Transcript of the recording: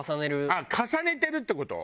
あっ重ねてるって事？